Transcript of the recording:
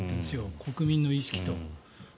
国民の意識と。